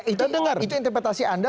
itu interpretasi anda